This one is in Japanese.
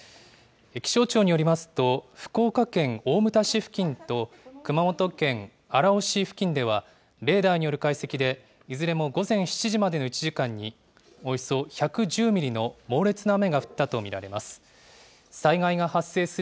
気象庁によりますと、福岡県大牟田市付近と、熊本県荒尾市付近では、レーダーによる解析で、いずれも午前７時までの１時間に、およそ１１０ミリの猛烈な雨が降ったと見られます。